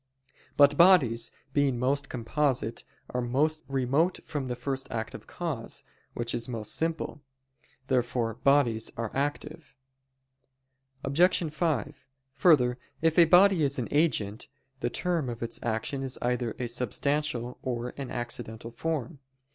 But bodies, being most composite, are most remote from the first active cause, which is most simple. Therefore no bodies are active. Obj. 5: Further, if a body is an agent, the term of its action is either a substantial, or an accidental form.